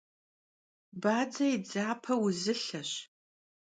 Badze yi dzape vuzılheş.